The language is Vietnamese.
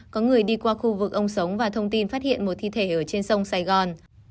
có người đi qua khu vực ông sống và thông tin phát hiện một thi thể ở trên sông sài gòn